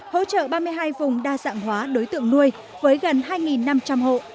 hỗ trợ ba mươi hai vùng đa dạng hóa đối tượng nuôi với gần hai năm trăm linh hộ